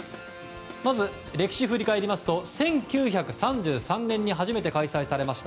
まず、歴史を振り返りますと１９３３年に初めて開催されました。